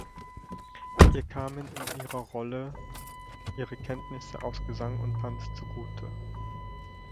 Ihr kamen in ihrer Rolle ihre Kenntnisse aus Gesang und Tanz zugute.